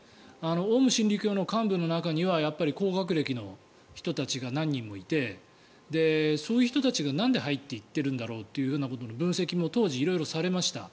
オウム真理教の幹部の中には高学歴の人たちが何人もいてそういう人たちがなんで入っていってるんだろうということの分析も当時、色々されました。